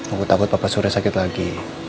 aku takut bapak sudah sakit lagi